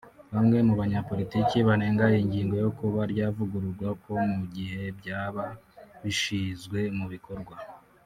Bamwe mu banyapolitiki banenga iyi ngingo yo kuba ryavugururwa ko mu gihe byaba bishyizwe mu bikorwa